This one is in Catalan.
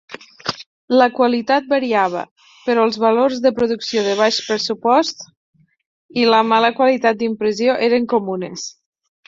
La qualitat variava, però els valors de producció de baix pressupost i la mala qualitat d'impressió eren comunes.